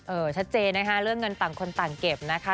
ชัดเจนนะคะเรื่องเงินต่างคนต่างเก็บนะคะ